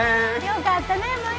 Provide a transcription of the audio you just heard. よかったね舞。